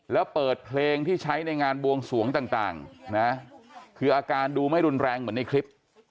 แล้วเปิดเพลงที่ใช้ในงานบวงสวงต่างนะคืออาการดูไม่รุนแรงเหมือนในคลิป